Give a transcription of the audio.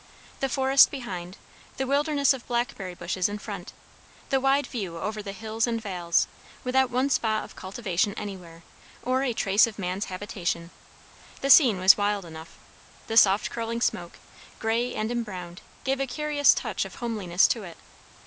The forest behind, the wilderness of blackberry bushes in front; the wide view over the hills and vales, without one spot of cultivation anywhere, or a trace of man's habitation; the scene was wild enough. The soft curling smoke, grey and embrowned, gave a curious touch of homeliness to it.